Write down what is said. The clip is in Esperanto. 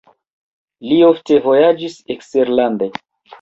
Li ofte vojaĝis eksterlande.